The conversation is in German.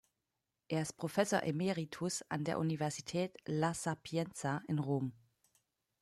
Er ist Professor Emeritus an der Universität La Sapienza in Rom.